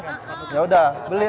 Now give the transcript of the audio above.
ya yaudah belilah